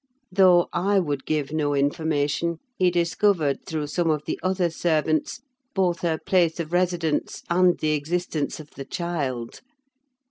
Though I would give no information, he discovered, through some of the other servants, both her place of residence and the existence of the child.